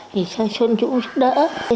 thì sơ xuân cũng giúp đỡ